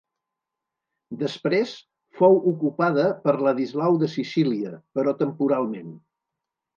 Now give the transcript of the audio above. Després fou ocupada per Ladislau de Sicília, però temporalment.